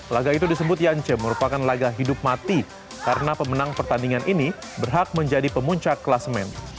laga itu disebut yance merupakan laga hidup mati karena pemenang pertandingan ini berhak menjadi pemuncak kelas men